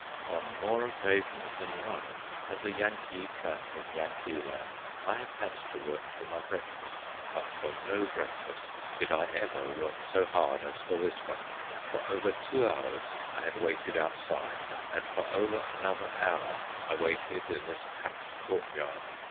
On more occasions than one, as a Yankee tramp in Yankeeland, I have had to work for my breakfast; but for no breakfast did I ever work so hard as for this one. For over two hours I had waited outside, and for over another hour I waited in this packed courtyard.